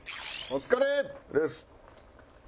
お疲れっす。